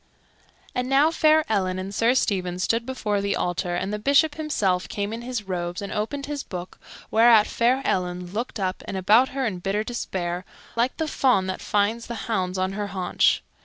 And now fair Ellen and Sir Stephen stood before the altar, and the Bishop himself came in his robes and opened his book, whereat fair Ellen looked up and about her in bitter despair, like the fawn that finds the hounds on her haunch.